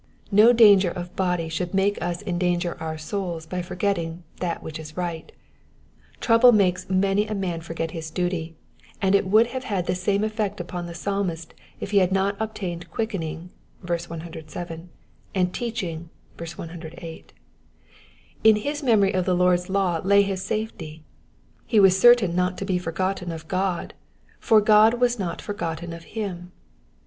No danger of body should make us en danger our souls by forgetting that which is right. Trouble makes many a man forget his duty, and it would have had the same effect upon the Psalmist if he had not obtained quickening (verse 107) and teaching (verse 108). In his memory of the Lord's law lay his safety ; he was certain not to be for gotten of God, for Gojl was not forgotten of him.